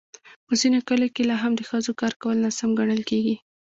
په ځینو کلیو کې لا هم د ښځو کار کول ناسم ګڼل کېږي.